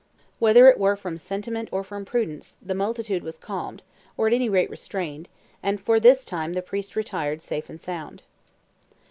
Whether it were from sentiment or from prudence, the multitude was calmed, or at any rate restrained; and for this time the priest retired safe and sound.